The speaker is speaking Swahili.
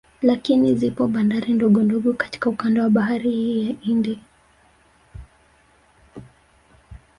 Lakini zipo bandari ndogo ndogo katika ukanda wa bahari hii ya Hindi